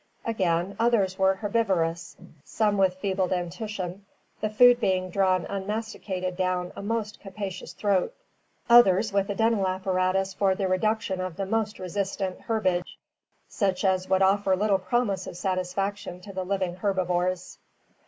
Again, others were herbivorous — some with feeble dentition, the food being drawn unmasticated down a most capacious throat, others with a dental apparatus for the reduction of the most resistant herbage such as would offer little promise of satisfaction to the living herbivores.